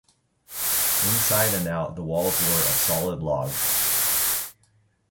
Inside and out, the walls were of solid log.